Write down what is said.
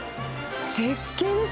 絶景です。